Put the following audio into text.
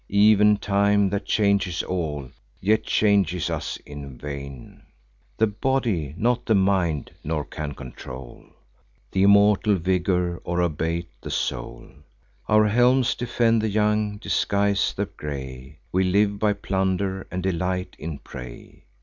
Ev'n time, that changes all, yet changes us in vain: The body, not the mind; nor can control Th' immortal vigour, or abate the soul. Our helms defend the young, disguise the gray: We live by plunder, and delight in prey.